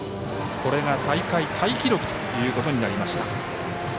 これが大会タイ記録ということになりました。